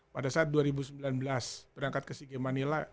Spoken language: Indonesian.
pada saat dua ribu sembilan belas berangkat ke sigi manila